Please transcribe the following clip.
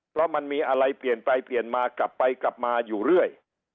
เพราะมันมีอะไรเปลี่ยนไปเปลี่ยนมากลับไปกลับมาอยู่เรื่อย